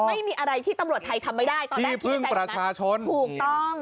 ไม่มีอะไรที่ตำรวจไทยทำไม่ได้ที่พึ่งประชาชนถูกต้อง